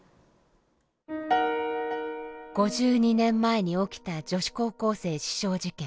５２年前に起きた女子高校生刺傷事件。